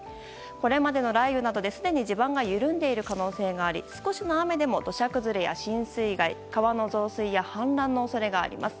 これまでの雷雨などですでに地盤が緩んでいる可能性があり少しの雨でも土砂崩れや浸水害川の増水や氾濫の恐れがあります。